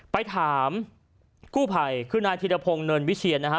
ไปถามกู้ภัยคือนายธิรพงศ์เนินวิเชียนนะฮะ